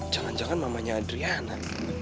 jangan jangan mamanya adriana